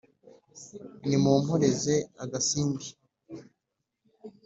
nimumporeze agasimbi